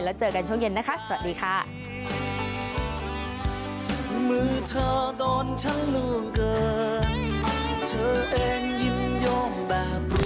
แล้วเจอกันช่วงเย็นนะคะสวัสดีค่ะ